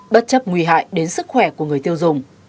bất chấp nguy hại đến sức khỏe của người tiêu dùng